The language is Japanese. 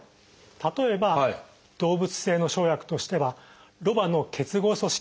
例えば動物性の生薬としてはロバの結合組織。